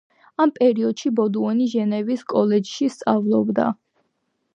ამ პერიოდში ბოდუენი ჟენევის კოლეჯში სწავლობდა.